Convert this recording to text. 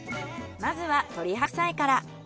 まずは鶏白菜から。